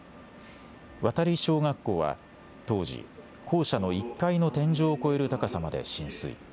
渡小学校は当時、校舎の１階の天井を超える高さまで浸水。